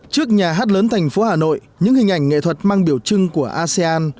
trước nhà hát lớn thành phố hà nội những hình ảnh nghệ thuật mang biểu trưng của asean